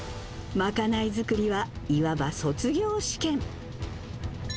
賄い作りはいわば卒業試験。